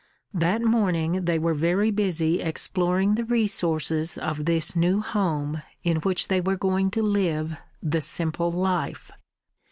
That morning they were very busy exploring the resources of this new home in which they were going to live the simple life.